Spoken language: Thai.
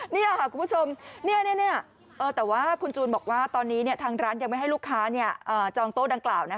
นี่แหละค่ะคุณผู้ชมแต่ว่าคุณจูนบอกว่าตอนนี้ทางร้านยังไม่ให้ลูกค้าจองโต๊ะดังกล่าว